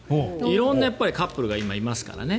色んなカップルが今、いますから。